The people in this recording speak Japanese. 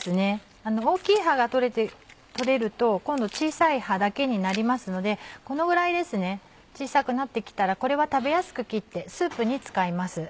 大きい葉が取れると今度小さい葉だけになりますのでこのぐらいですね小さくなってきたらこれは食べやすく切ってスープに使います。